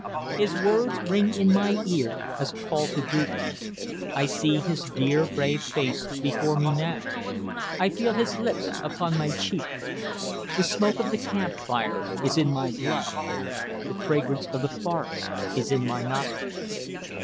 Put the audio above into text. His words ring in my ear as a call to duty. I see his dear, brave face before me now. I feel his lips upon my cheek. The smoke of the camp fire is in my blood. The fragrance of the forest is in my nostrils.